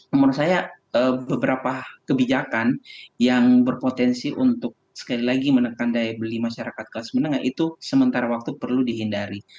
menurut saya beberapa kebijakan yang berpotensi untuk sekali lagi menekan daya beli masyarakat kelas menengah itu sementara waktu perlu dihindari